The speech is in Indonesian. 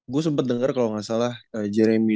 gue sempet denger kalo gak salah jeremy